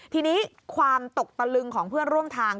ทีนี้ความตกตะลึงของเพื่อนร่วมทาง